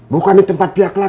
bukan di tempat pihak laki laki